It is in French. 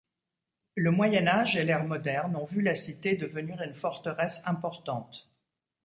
Le Moyen Âge et l'Ère moderne ont vu la cité devenir une forteresse importante.